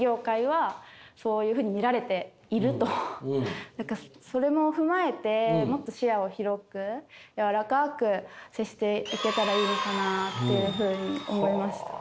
視野が何かそれも踏まえてもっと視野を広くやわらかく接していけたらいいのかなっていうふうに思いました。